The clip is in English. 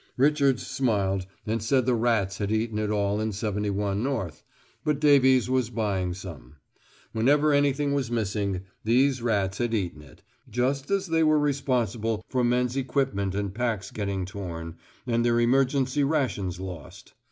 Richards smiled and said the rats had eaten it all in 71 North, but Davies was buying some. Whenever anything was missing, these rats had eaten it, just as they were responsible for men's equipment and packs getting torn, and their emergency rations lost.